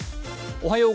おっはよう！